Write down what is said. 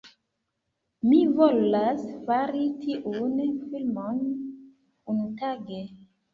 Mi volas fari tiun filmon, unutage